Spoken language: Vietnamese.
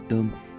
để trở về nhà